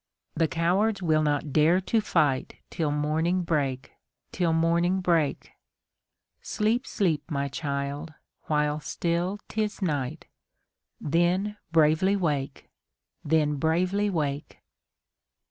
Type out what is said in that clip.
The cowards will not dare to fight Till morning break till morning break. Sleep, sleep, my child, while still 'tis night; Then bravely wake then bravely wake!